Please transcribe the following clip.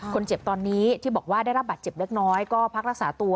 คนเจ็บตอนนี้ที่บอกว่าได้รับบาดเจ็บเล็กน้อยก็พักรักษาตัว